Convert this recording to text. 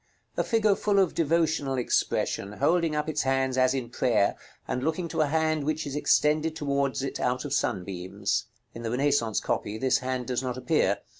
A figure full of devotional expression, holding up its hands as in prayer, and looking to a hand which is extended towards it out of sunbeams. In the Renaissance copy this hand does not appear.